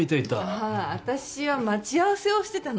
ああ私は待ち合わせをしてたの。